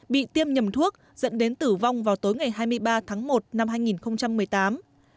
bị tiêm nhầm thuốc dẫn đến tử vong vào tối ngày hai mươi ba tháng một năm hai nghìn một mươi tám